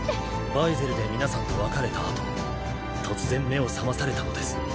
バイゼルで皆さんと別れたあと突然目を覚まされたのです。